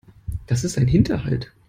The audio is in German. Das ist ein Hinterhalt.